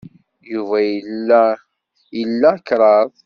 Yuba yella ila kraḍ.